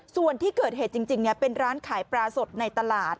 ส่วนที่เกิดเหตุจริงเป็นร้านขายปลาสดในตลาด